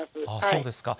そうですか。